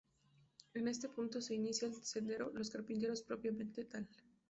En este punto se inicia el sendero Los Carpinteros propiamente tal.